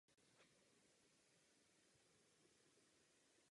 Byl to jeho vůbec první gól v Bundeslize.